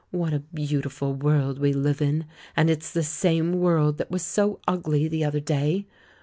What a beautiful world we live in; and it's the same world that was so ugly the other day!